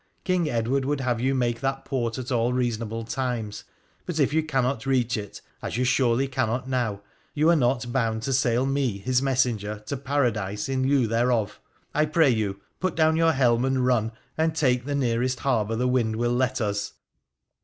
King Edward would have you make that port at all reasonable times ; but if you cannot reach it, as you surely cannot now, you are not bound to sail me, his messenger, to Paradise in lieu thereof. I pray you, put down your helm and run, and take the nearest harbour the wind will let us.'